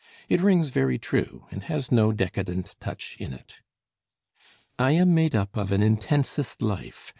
It rings very true, and has no decadent touch in it: "I am made up of an intensest life